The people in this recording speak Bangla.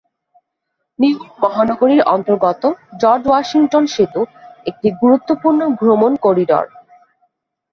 নিউ ইয়র্ক মহানগরীর অন্তর্গত জর্জ ওয়াশিংটন সেতু একটি গুরুত্বপূর্ণ ভ্রমণ করিডোর।